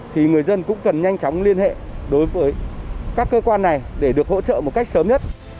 thì người dân cũng cần nhanh chóng liên hệ đối với các cơ quan này để được hỗ trợ một cách sớm nhất